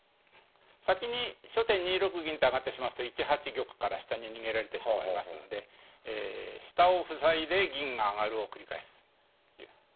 先に初手２六銀と上がってしまいますと１八玉から下に逃げられてしまいますんで下を塞いで銀が上がるを繰り返す。